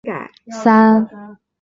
三巴旺的名称是来至。